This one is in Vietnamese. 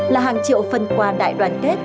là hàng triệu phần quà đại đoàn kết